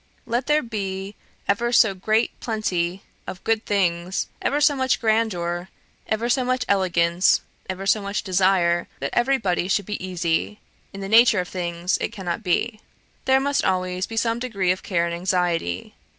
Let there be ever so great plenty of good things, ever so much grandeur, ever so much elegance, ever so much desire that every body should be easy; in the nature of things it cannot be: there must always be some degree of care and anxiety.